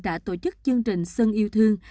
đã tổ chức chương trình sơn yêu thương